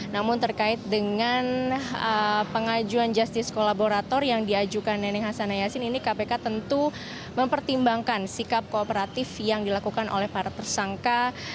namun terkait dengan pengajuan justice kolaborator yang diajukan neneng hasan yassin ini kpk tentu mempertimbangkan sikap kooperatif yang dilakukan oleh para tersangka